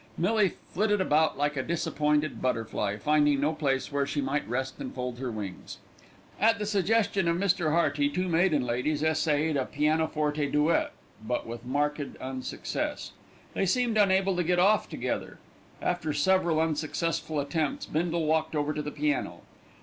Millie flitted about like a disappointed butterfly, finding no place where she might rest and fold her wings. At the suggestion of Mr. Hearty two maiden ladies essayed a pianoforte duet, but with marked unsuccess. They seemed unable to get off together. After several unsuccessful attempts Bindle walked over to the piano.